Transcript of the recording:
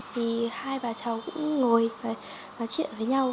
thì hai bà cháu cũng ngồi và nói chuyện với nhau